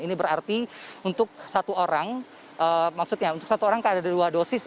ini berarti untuk satu orang maksudnya untuk satu orang kan ada dua dosis